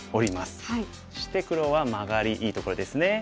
そして黒はマガリいいところですね。